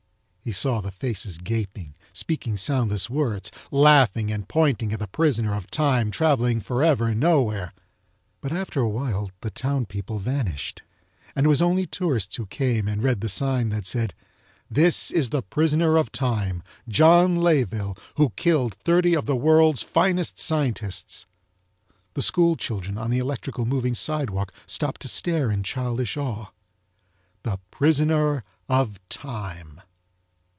He saw the faces gaping, speaking soundless words, laughing and pointing at the prisoner of time traveling forever nowhere. But after awhile the town people vanished and it was only tourists who came and read the sign that said: THIS IS THE PRISONER OF TIME JOHN LAYEVILLE WHO KILLED THIRTY OF THE WORLDS FINEST SCIENTISTS! The school children, on the electrical moving sidewalk stopped to stare in childish awe. THE PRISONER OF TIME!